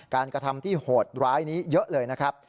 กระทำที่โหดร้ายนี้เยอะเลยนะครับ